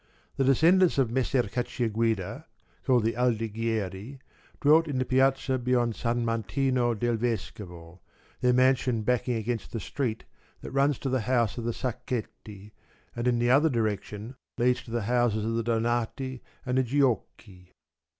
The descendants of Messer Cacciaguida called the Aldighieri dwelt in the piazza beyond San Martino del Vescovo, their mansion back ing against the street that runs to the house of the Sacchetti and in the other direction leads to the houses of the Donati and the Giuochi.